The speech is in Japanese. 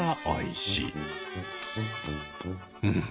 うん。